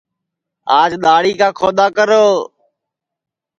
آج دؔاݪی کا کھودؔا کرو